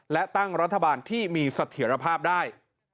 และตั้งรัฐบาลที่มีเสถียรภาพได้